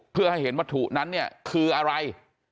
เพื่อให้เห็นวัตถุนั้นเนี่ยคืออะไร